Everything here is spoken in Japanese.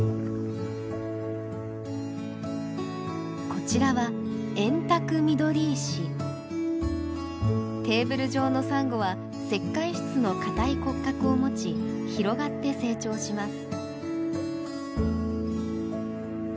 こちらはテーブル状のサンゴは石灰質の硬い骨格を持ち広がって成長します。